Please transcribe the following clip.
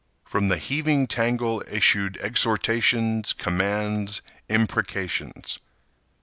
From the heaving tangle issued exhortations, commands, imprecations.